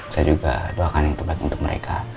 saya juga doakan yang terbaik untuk mereka